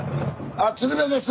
あっ鶴瓶です！